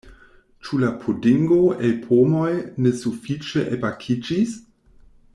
Ĉu la pudingo el pomoj ne sufiĉe elbakiĝis?